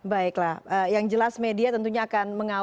baik dari sisi apa namanya fpi maupun dari sisi